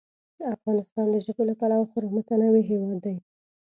افغانستان د ژبو له پلوه خورا متنوع هېواد دی.